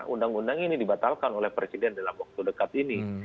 undang undang ini dibatalkan oleh presiden dalam waktu dekat ini